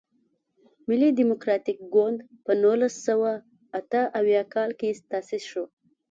ملي ډیموکراتیک ګوند په نولس سوه اته اویا کال کې تاسیس شو.